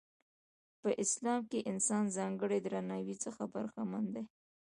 په اسلام کې انسان ځانګړي درناوي څخه برخمن دی.